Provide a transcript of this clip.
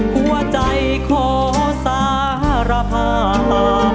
หัวใจขอสารภาพ